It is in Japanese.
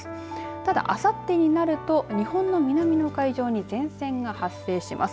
ただ、あさってになると日本の南の海上に前線が発生します。